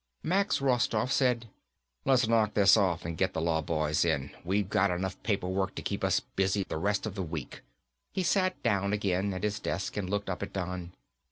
Max Rostoff said, "Let's knock this off and get the law boys in. We've got enough paper work to keep us busy the rest of the week." He sat down again at his desk and looked up at Don.